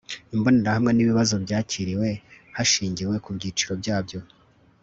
Imbonerahamwe n Ibibazo byakiriwe hashingiwe ku byiciro byabyo